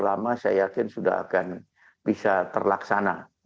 lama saya yakin sudah akan bisa terlaksana